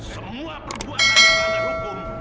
semua perbuatan yang berada di hukum